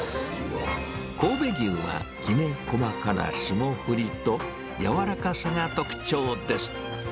神戸牛はきめ細かな霜降りと、柔らかさが特徴です。